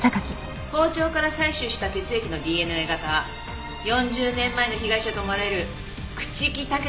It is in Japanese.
包丁から採取した血液のＤＮＡ型は４０年前の被害者と思われる朽木武二さんのものと一致した。